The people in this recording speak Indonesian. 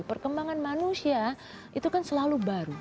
perkembangan manusia itu kan selalu baru